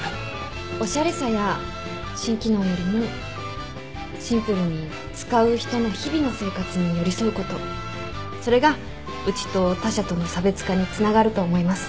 おしゃれさや新機能よりもシンプルに使う人の日々の生活に寄り添うことそれがうちと他社との差別化につながると思います。